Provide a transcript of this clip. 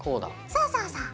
そうそうそう。